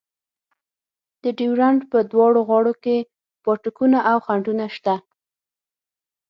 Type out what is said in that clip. د ډیورنډ په دواړو غاړو کې پاټکونه او خنډونه شته.